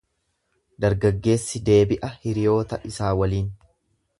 Dargaggeessi deebi'a hiriyoota isaa waliin.